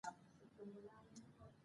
که بریښنا وي نو تیاره نه راځي.